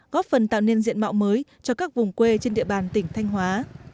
góp phần tạo nên diện mạo mới cho các vùng quê trên địa bàn tỉnh thanh hóa